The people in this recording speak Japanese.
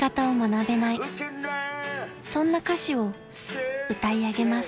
［そんな歌詞を歌い上げます］